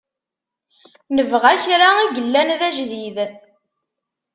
Nebɣa kra i yellan d ajdid.